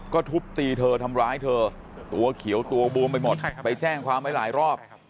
ก็ทุบตีเธอทำร้ายเธอตัวเขียวตัวบวมไปหมดไปแจ้งความไว้หลายรอบ